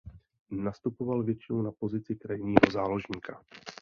Nastupoval většinou na pozici krajního záložníka.